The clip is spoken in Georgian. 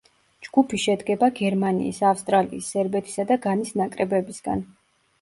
ჯგუფი შედგება გერმანიის, ავსტრალიის, სერბეთისა და განის ნაკრებებისგან.